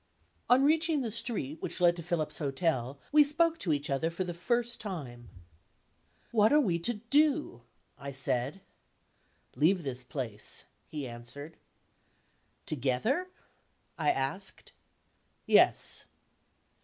On reaching the street which led to Philip's hotel, we spoke to each other for the first time. "What are we to do?" I said. "Leave this place," he answered. "Together?" I asked. "Yes."